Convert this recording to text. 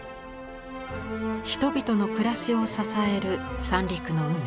人々の暮らしを支える三陸の海